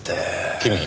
君。